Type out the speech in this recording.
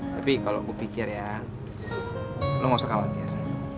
tapi kalo gue pikir ya lo gak usah khawatir